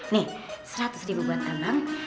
nih seratus ribu buat tambang